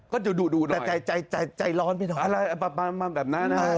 ก็จะโดบดูหน่อยใจร้อนไปหน่อย